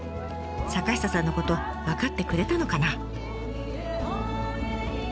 坂下さんのこと分かってくれたのかな？